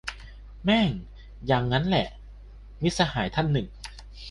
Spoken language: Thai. แม่งยังงั้นแหละ - มิตรสหายท่านหนึ่ง